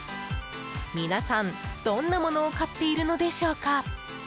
皆さん、どんなものを買っているのでしょうか？